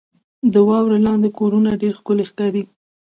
• د واورې لاندې کورونه ډېر ښکلي ښکاري.